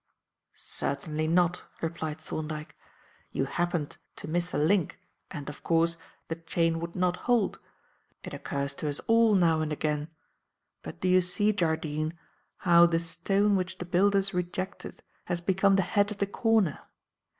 "Certainly not," replied Thorndyke. "You happened to miss a link and, of course, the chain would not hold. It occurs to us all now and again. But, do you see, Jardine, how 'the stone which the builders rejected has become the head of the corner'?